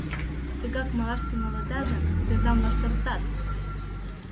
Тыгак малаш тӱҥалыда гын, тендам лаштыртат.